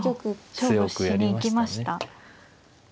勝負しに行きました。